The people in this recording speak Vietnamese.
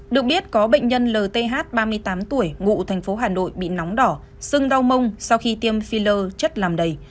được biết có bệnh nhân lth ba mươi tám tuổi ngụ tp hcm bị nóng đỏ sưng đau mông sau khi tiêm filler chất làm đầy